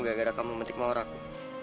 gara gara kamu metik mawar aku